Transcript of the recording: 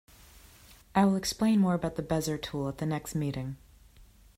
I will explain more about the Bezier tool at the next meeting.